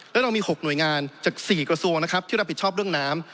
แล้วเรามี๖หน่วยงานจาก๔กระทรวงนะครับที่รับผิดชอบเรื่องน้ำ